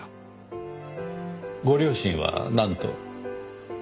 ご両親はなんと？